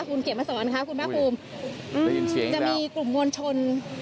คุณเขียนมาสอนค่ะคุณภาคภูมิอืมจะมีกลุ่มมวลชน